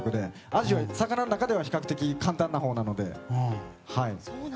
アジは魚の中では比較的、簡単なほうなので。